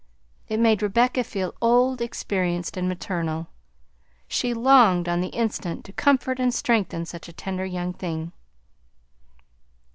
It made Rebecca feel old, experienced, and maternal. She longed on the instant to comfort and strengthen such a tender young thing.